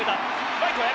ライトへ。